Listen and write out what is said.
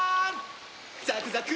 ザクザク！